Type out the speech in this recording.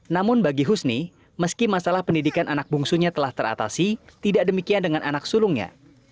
namun bagi husni meski masalah pendidikan anak bungsunya telah teratasi tidak demikian dengan anak sulungnya